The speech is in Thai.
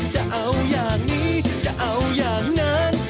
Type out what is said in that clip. จะเอาอย่างนี้จะเอาอย่างนั้น